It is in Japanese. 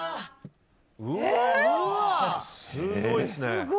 うわ、すごいですね！